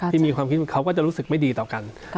มีความคิดเขาก็จะรู้สึกไม่ดีต่อกัน